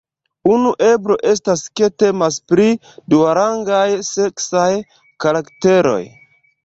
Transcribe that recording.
Unu eblo estas ke temas pri duarangaj seksaj karakteroj.